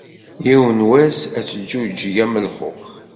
Yiwen wass ad teǧǧuǧeg am lxux.